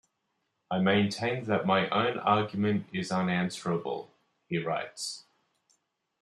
"I maintain that my own argument is unanswerable", he writes.